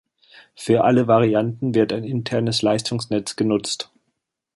Für alle Varianten wird ein internes Leitungsnetz genutzt.